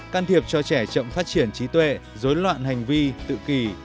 can thiệp cho trẻ chậm phát triển trí tuệ dối loạn hành vi tự kỷ